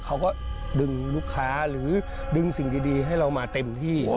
เขาก็ดึงลูกค้าหรือดึงสิ่งดีให้เรามาเต็มที่